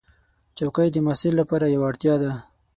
چوکۍ د محصل لپاره یوه اړتیا ده.